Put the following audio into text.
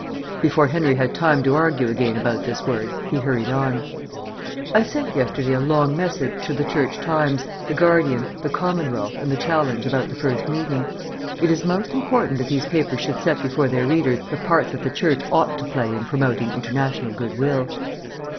Before Henry had time to argue again about this word, he hurried on. "I sent yesterday a long message to the Church Times, the Guardian, the Commonwealth, and the Challenge about the first meeting. It is most important that these papers should set before their readers the part that the Church ought to play in promoting international goodwill."